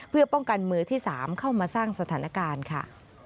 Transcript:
เพื่อป้องกันมือที่๓เข้ามาสร้างสถานการณ์ค่ะ